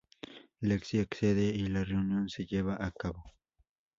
Lexi accede y la reunión se lleva a cabo.